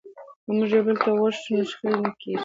که موږ یو بل ته غوږ شو نو شخړې نه کېږي.